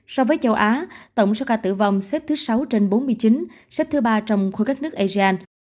so với châu á tổng số ca tử vong xếp thứ sáu trên bốn mươi chín xếp thứ ba trong khối các nước asean